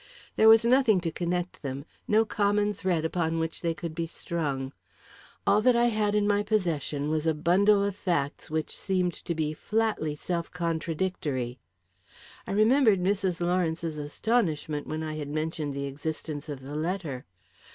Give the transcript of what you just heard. There was nothing to connect them, no common thread upon which they could be strung; all that I had in my possession was a bundle of facts which seemed to be flatly self contradictory. I remembered Mrs. Lawrence's astonishment when I had mentioned the existence of the letter.